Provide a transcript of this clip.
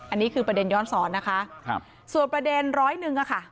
อันนี้คือประเด็นย้อนสอนนะคะครับส่วนประเด็นร้อยหนึ่งอะค่ะ